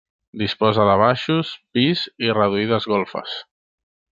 Disposa de baixos, pis i reduïdes golfes.